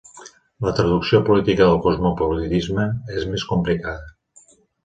La traducció política del cosmopolitisme és més complicada.